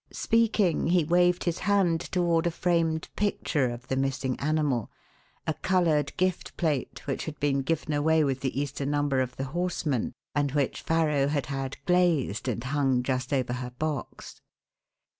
Speaking, he waved his hand toward a framed picture of the missing animal a coloured gift plate which had been given away with the Easter number of The Horseman, and which Farrow had had glazed and hung just over her box.